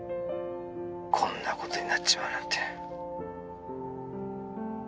☎こんなことになっちまうなんて